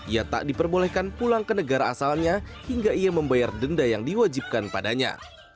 ia tak diperbolehkan pulang ke negara asalnya hingga ia membayar denda yang diwajibkan padanya